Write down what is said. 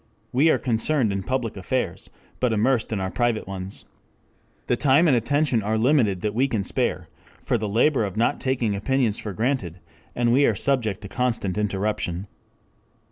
We are concerned in public affairs, but immersed in our private ones. The time and attention are limited that we can spare for the labor of not taking opinions for granted, and we are subject to constant interruption.